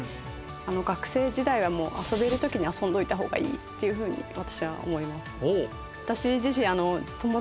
学生時代はもう遊べる時に遊んどいた方がいいっていうふうに私は思います。